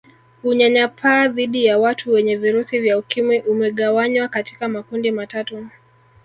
Unyanyapaa dhidi ya watu wenye virusi vya Ukimwi umegawanywa katika makundi matatu